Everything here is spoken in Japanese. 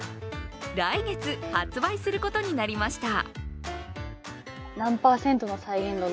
来月、発売することになりました。